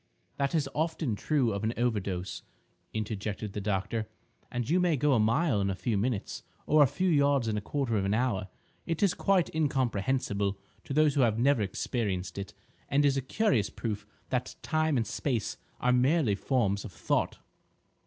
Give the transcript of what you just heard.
"That is often true of an overdose," interjected the doctor, "and you may go a mile in a few minutes, or a few yards in a quarter of an hour. It is quite incomprehensible to those who have never experienced it, and is a curious proof that time and space are merely forms of thought."